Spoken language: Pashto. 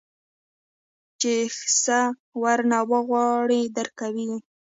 چې سه ورنه وغواړې درکوي يې.